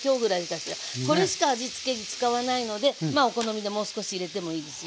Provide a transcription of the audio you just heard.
これしか味つけ使わないのでお好みでもう少し入れてもいいですよ。